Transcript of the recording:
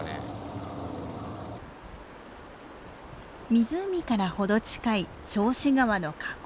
湖から程近い銚子川の河口。